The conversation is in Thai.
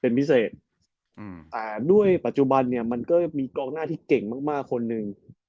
เป็นพิเศษแต่ด้วยปัจจุบันเนี่ยมันก็มีกองหน้าที่เก่งมากมากคนหนึ่ง